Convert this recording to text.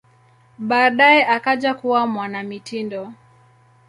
Baadaye akaja kuwa mwanamitindo.